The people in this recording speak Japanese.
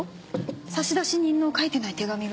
差出人の書いてない手紙が。